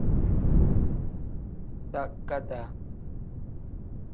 Takadaa.